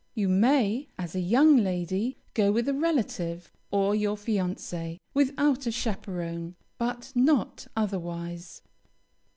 You may, as a young lady, go with a relative or your fiancée, without a chaperon, but not otherwise.